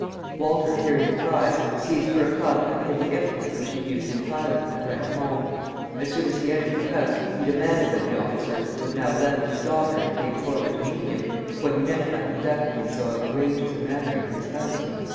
Walter, hearing the cries, seized for a club a heavy implement which he used in tiling, and ran home. As soon as he entered the house, he demanded of the officer, who had now left his daughter and came forward to meet him, what he meant by conducting in so outrageous a manner in his house.